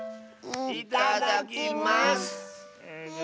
いただきます！